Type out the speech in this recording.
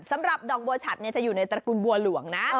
สำหรับดอกบัวฉัดจะอยู่ในตระกูลบัวหลวงนะ